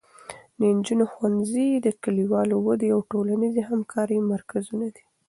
د نجونو ښوونځي د کلیوالو ودې او ټولنیزې همکارۍ مرکزونه دي.